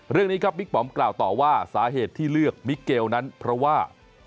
เรื่องนี้ครับบิ๊กปอมกล่าวต่อว่าสาเหตุที่เลือกมิเกลนั้นเพราะว่า